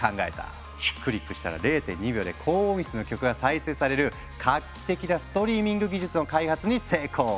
クリックしたら０．２秒で高音質の曲が再生される画期的なストリーミング技術の開発に成功！